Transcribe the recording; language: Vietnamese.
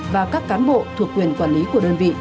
và các cán bộ thuộc quyền quản lý của đơn vị